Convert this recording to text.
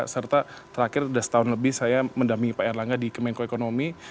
serta terakhir sudah setahun lebih saya mendampingi pak erlangga di kemenko ekonomi